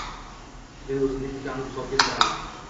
—Men o‘zimning ukamni misol keltiraman.